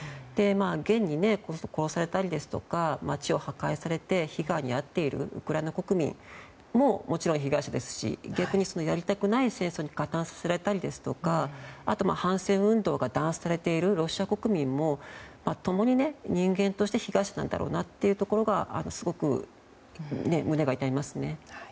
現に、殺されたり街を破壊されて被害に遭っているウクライナ国民ももちろん被害者ですし逆にやりたくない戦争に加担させられたりですとか反戦運動が弾圧されているロシア国民も共に、人間として被害者なんだろうなというところがすごく胸が痛みますね。